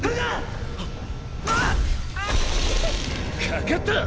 かかった！